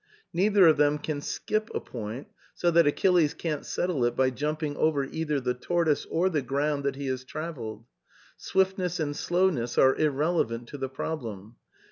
Neither of them can skip a point, so that Achilles can't settle it by jumping over either the tortoise or the ground that he has travelled. Swiftness and slowness are irrelevant to the problem.